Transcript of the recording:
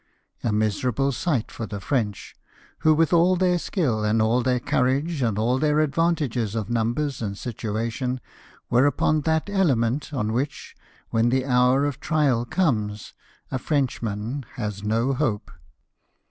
A miserable sight for the French, who with all their skill, and all their courage, and all their advantages of numbers and situation, were upon that element on which, when the hour of trial comes, a Frenchman has no hope.